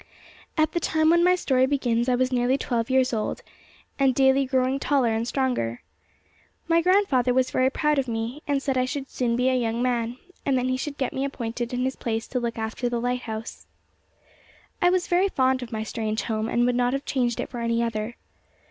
At the time when my story begins I was nearly twelve years old, and daily growing taller and stronger. My grandfather was very proud of me, and said I should soon be a young man, and then he should get me appointed in his place to look after the lighthouse. I was very fond of my strange home, and would not have changed it for any other.